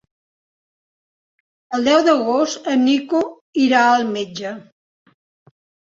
El deu d'agost en Nico irà al metge.